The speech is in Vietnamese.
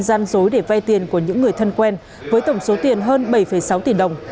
gian dối để vay tiền của những người thân quen với tổng số tiền hơn bảy sáu tỷ đồng